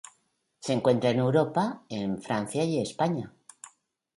Se encuentra en Europa en Francia y España.